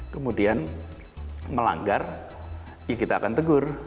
kemudian melanggar ya kita akan tegur